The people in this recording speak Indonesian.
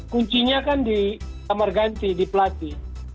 kuncinya kan di amarganti di platy